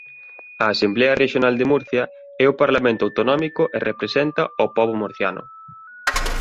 A Asemblea Rexional de Murcia é o parlamento autonómico e representa ao pobo murciano.